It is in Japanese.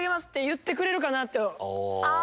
言ってくれるかなって。